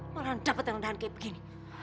malahan dapat yang rendahan kayak begini